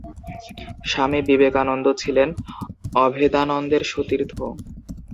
স্বামী বিবেকানন্দ ছিলেন অভেদানন্দের সতীর্থ।